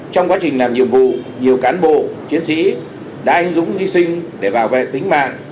trong quá trình làm nhiệm vụ nhiều cán bộ chiến sĩ đã anh dũng hy sinh để bảo vệ tính mạng